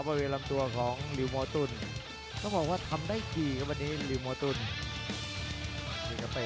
พยายามจะโปรดกวนออกซ้ายออกขวาหลิวมอตุ๋นเตะไปที่พับใน